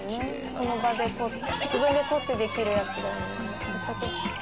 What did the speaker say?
「その場で自分で取ってできるやつだもんね」